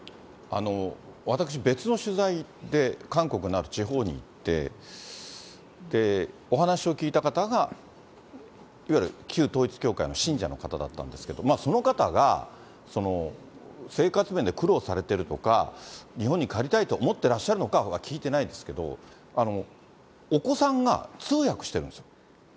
私、別の取材で韓国のある地方に行って、お話を聞いた方が、いわゆる旧統一教会の信者の方だったんですけど、その方が、生活面で苦労されているとか、日本に帰りたいと思ってらっしゃるのかは聞いてないですけど、お子さんが通訳してるんですよ。